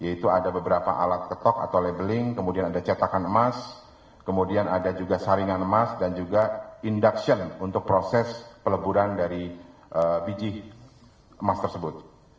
yaitu ada beberapa alat ketok atau labeling kemudian ada cetakan emas kemudian ada juga saringan emas dan juga induction untuk proses peleburan dari biji emas tersebut